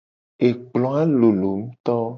Ekploa lolo ngto.